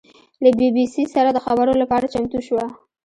له بي بي سي سره د خبرو لپاره چمتو شوه.